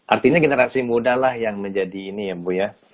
artinya generasi mudalah yang menjadi ini ya bu ya